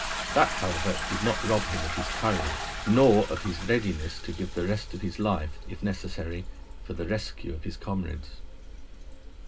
That, however, did not rob him of his courage, nor of his readiness to give the rest of his life, if necessary, for the rescue of his comrades.